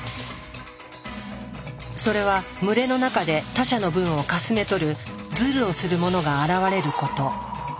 それは群れの中で他者の分をかすめ取るズルをする者が現れること。